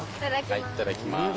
いただきます。